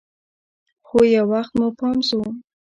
خو يو وخت مو پام سو.